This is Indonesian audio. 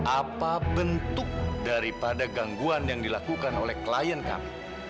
apa bentuk daripada gangguan yang dilakukan oleh klien kami